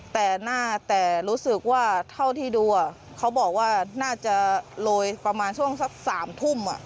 แต่น่าแต่รู้สึกว่าเท่าที่ดูอ่ะเขาบอกว่าน่าจะโรยประมาณช่วงสักสามทุ่มอ่ะ